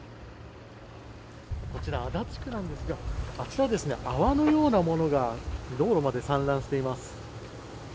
こちら、足立区なんですが、あちら、泡のようなものが道路まで散乱しています。